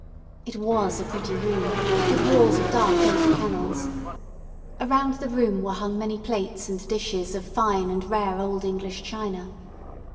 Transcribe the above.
It was a pretty room, with walls of dark oak panels. Around the room were hung many plates and dishes of fine and rare old English china.